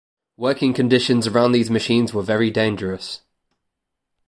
Working conditions around these machines were very dangerous.